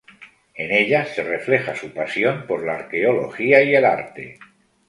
En ellas se refleja su pasión por la arqueología y el arte.